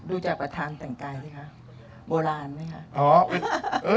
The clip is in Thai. ดูจากประธานแต่งกายสิคะโบราณไหมคะ